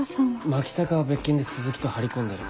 牧高は別件で鈴木と張り込んでる。